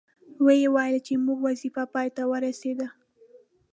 وې ویل چې زموږ وظیفه پای ته ورسیده.